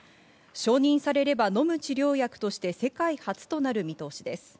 承認されれば、のむ治療薬として世界初となる見通しです。